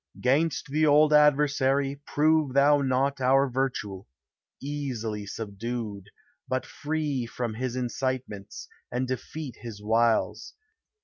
'Gainst the old adversary, prove thou not Our virtue, easily subdued ; but free From his incitements, and defeat his wiles.